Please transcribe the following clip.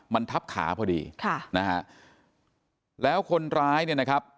มันทับขาพอดีค่ะนะฮะแล้วคนร้ายเนี่ยนะครับ